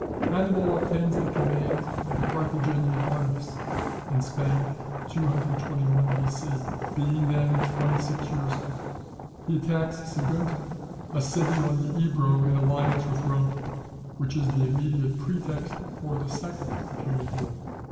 Hannibal obtains the command of the Carthaginian armies in Spain, 221 B.C., being then twenty six years old. He attacks Saguntum, a city on the Ebro in alliance with Rome, which is the immediate pretext for the second Punic war.